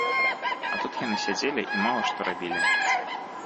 А тут яны сядзелі і мала што рабілі.